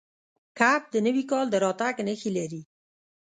کب د نوي کال د راتګ نښې لري.